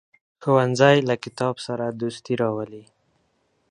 ښوونځی له کتاب سره دوستي راولي